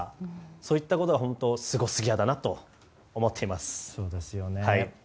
そういったことがスゴすぎやだなと思っています。